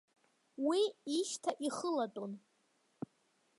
Уи ишьҭа ихылатәын.